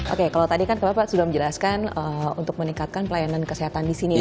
oke kalau tadi kan bapak sudah menjelaskan untuk meningkatkan pelayanan kesehatan di sini ya pak